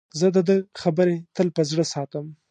زه د ده خبرې تل په زړه ساتم.